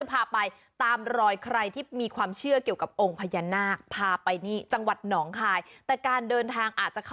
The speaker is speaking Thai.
นี่เวลาไปตามรอยใครที่มีความเชื่อเกี่ยวกับองค์พญานาค